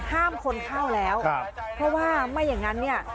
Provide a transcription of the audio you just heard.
ห้ามคนเข้าแล้วเพราะว่าไม่อย่างนั้นเนี่ย